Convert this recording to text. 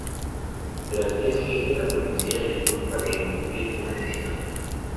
Pero al día siguiente la policía le culpa de encubrir un asesinato.